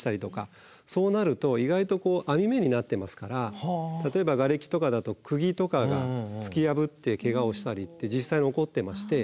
そうなると意外と編み目になってますから例えばがれきとかだとくぎとかが突き破ってケガをしたりって実際に起こってまして。